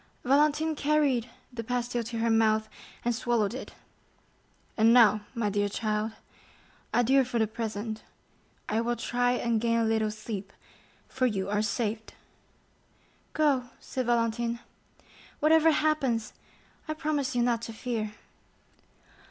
Valentine carried the pastille to her mouth, and swallowed it. "And now, my dear child, adieu for the present. I will try and gain a little sleep, for you are saved." "Go," said Valentine, "whatever happens, I promise you not to fear."